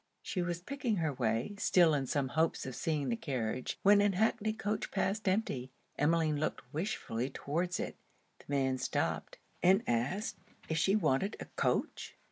She was picking her way, still in some hopes of seeing the carriage, when an hackney coach passed empty. Emmeline looked wishfully towards it. The man stopped, and asked if she wanted a coach?